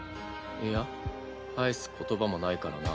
いや返す言葉もないからな。